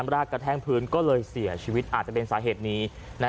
รากกระแทกพื้นก็เลยเสียชีวิตอาจจะเป็นสาเหตุนี้